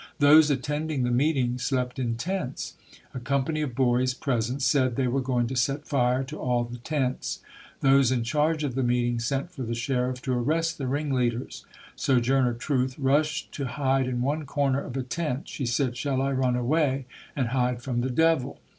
Those attending the meeting slept in tents. A company of boys present said they were going to set fire to all the tents. Those in charge of the meeting sent for the sheriff to arrest the ring leaders. Sojourner Truth rushed to hide in one corner of a tent. She said, "Shall I run away and hide from the devil?